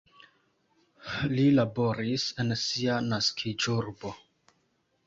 Li laboris en sia naskiĝurbo.